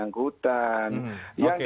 dengan pihak yang bersangkutan